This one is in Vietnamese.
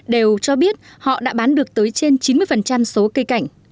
đều cho biết họ đã bán được tới trên chín mươi số cây cảnh